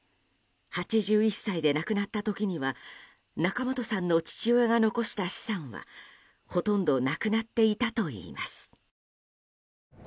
８１歳で亡くなった時には仲本さんの父親が残した資産はほとんどなくなっていたといいます。